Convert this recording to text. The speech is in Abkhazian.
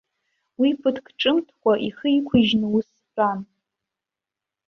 Уи ԥыҭрак ҿымҭкәа ихы иқәыжьны ус дтәан.